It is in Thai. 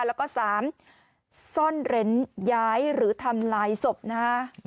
แล้วก็๓ซ่อนเร้นย้ายหรือทำลายศพนะฮะ